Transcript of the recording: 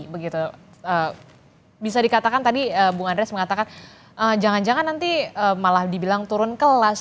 bisa dikatakan tadi bung andres mengatakan jangan jangan nanti malah dibilang turun kelas